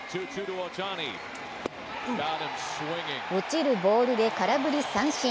落ちるボールで空振り三振。